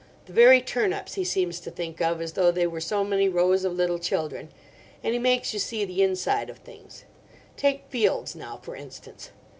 The very turnips he seems to think of as though they were so many rows of little children. And he makes you see the inside of things. Take fields now, for instance.